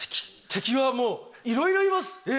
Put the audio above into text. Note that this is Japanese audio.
敵はもういろいろいます！